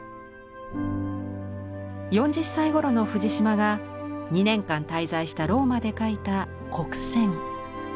４０歳ごろの藤島が２年間滞在したローマで描いた「黒扇」。